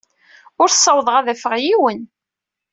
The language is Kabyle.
Ur ssawḍeɣ ad d-afeɣ yiwen.